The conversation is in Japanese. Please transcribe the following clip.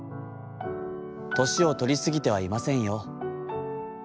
『年をとりすぎてはいませんよ。